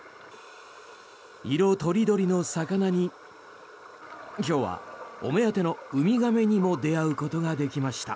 色とりどりの魚に今日はお目当てのウミガメにも出会うことができました。